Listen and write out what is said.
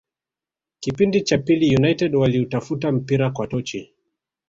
Kipindi cha pili United waliutafuta mpira kwa tochi